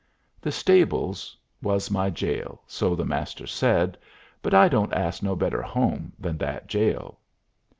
The stables was my jail, so the Master said, but I don't ask no better home than that jail.